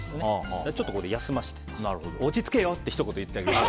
だから、ここで休ませて落ち着けよってひと言、言ってあげると。